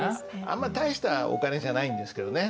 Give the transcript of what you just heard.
あんま大したお金じゃないんですけどね。